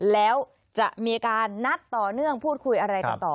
แล้วจะมีการนัดต่อเนื่องพูดคุยอะไรกันต่อ